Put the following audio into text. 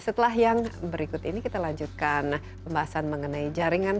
setelah yang berikut ini kita lanjutkan pembahasan mengenai jaringan